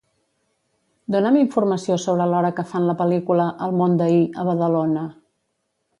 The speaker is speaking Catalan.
Dona'm informació sobre l'hora que fan la pel·lícula "El món d'ahir" a Badalona.